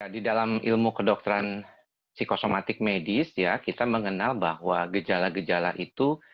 di dalam ilmu kedokteran psikosomatik medis ya kita mengenal bahwa gejala gejala itu